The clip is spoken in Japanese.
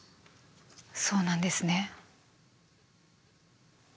そうなんですね。